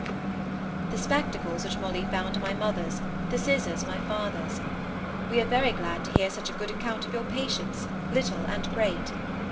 The spectacles which Molly found are my mother's, the scissors my father's. We are very glad to hear such a good account of your patients, little and great.